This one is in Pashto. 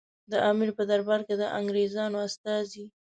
د امیر په دربار کې د انګریزانو استازي.